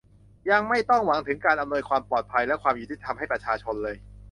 ยังไม่ต้องหวังถึงการอำนวยความปลอดภัยและความยุติธรรมให้ประชาชนเลย